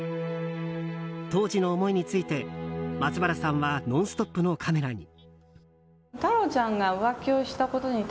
当時の思いについて、松原さんは「ノンストップ！」のカメラに。